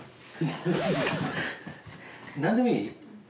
何でもいい？